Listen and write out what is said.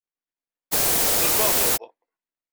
Tesselmadeḍ.